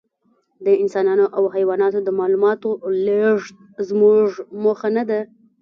د انسانانو او حیواناتو د معلوماتو لېږد زموږ موخه نهده.